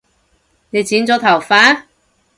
你剪咗頭髮？